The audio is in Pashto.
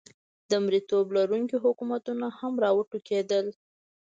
د مریتوب لرونکي حکومتونه هم را وټوکېدل.